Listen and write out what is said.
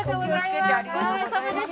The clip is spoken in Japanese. ありがとうございます。